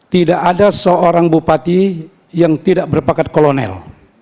tidak ada seorang bupati yang tidak berpakat kolonel